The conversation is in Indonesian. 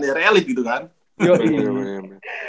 daerah elit gitu kan